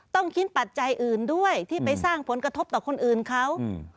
ต้องคิดปัจจัยอื่นด้วยที่ไปสร้างผลกระทบต่อคนอื่นเขา